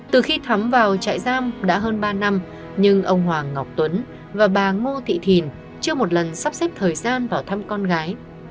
từ khi thắm vào trại giam đã hơn ba năm nhưng ông hoàng ngọc tuấn và bà ngô thị thìn chưa một lần sắp xếp thời gian vào thăm con gái